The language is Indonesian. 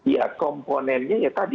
ya komponennya ya tadi